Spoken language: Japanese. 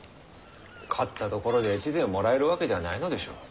勝ったところで越前をもらえるわけではないのでしょう。